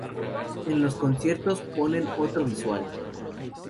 En los conciertos ponen otro visual.